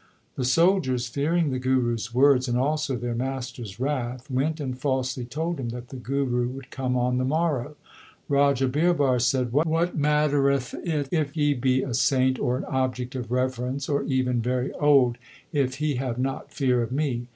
1 The soldiers, fearing the Guru s words and also their master s wrath, went and falsely told him that the Guru would come on the morrow. Raja Birbar said: What mattereth it if he be a saint or an object of reverence, or even very old, if he have not fear of me